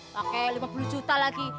pakai lima puluh juta lagi